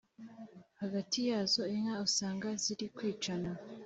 hagati yazo inka usanga zirikwicana